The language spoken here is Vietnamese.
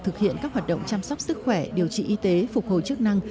thực hiện các hoạt động chăm sóc sức khỏe điều trị y tế phục hồi chức năng